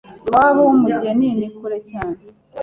iwabo w’umugeni nikure cyane